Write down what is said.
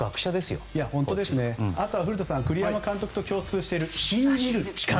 あとは古田さん栗山監督と共通している信じる力。